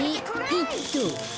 ピッと。